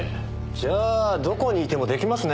じゃあどこにいても出来ますねえ。